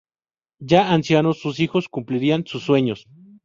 Ya ancianos, sus hijos cumplirán sus sueños.